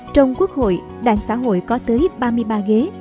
trong quốc hội đảng xã hội có tới ba mươi ba ghế